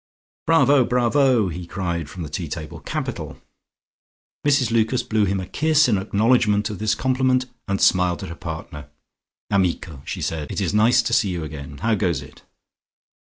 "Bravo, bravo," he cried from the tea table. "Capital!" Mrs Lucas blew him a kiss in acknowledgment of this compliment and smiled on her partner. "Amico!" she said. "It is nice to see you again. How goes it?"